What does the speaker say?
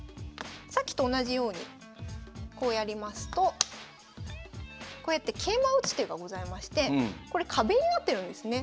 さっきと同じようにこうやりますとこうやって桂馬を打つ手がございましてこれ壁になってるんですね。